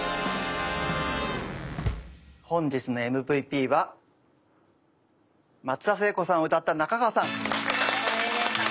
本日のＭＶＰは松田聖子さんを歌った仲川さん。